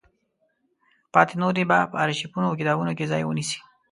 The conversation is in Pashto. پاتې نورې به په ارشیفونو او کتابونو کې ځای ونیسي.